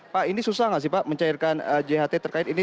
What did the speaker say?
pak ini susah nggak sih pak mencairkan jht terkait ini